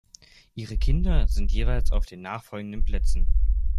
Ihre Kinder sind jeweils auf den nachfolgenden Plätzen.